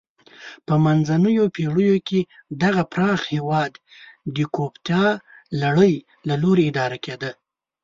په منځنیو پیړیو کې دغه پراخ هېواد د کوپتا لړۍ له لوري اداره کېده.